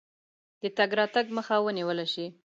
د تګ راتګ مخه ونیوله شي.